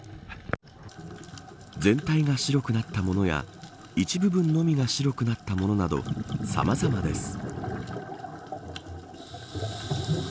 全体が白くなったものや一部分のみが白くなったものなどさまざまです。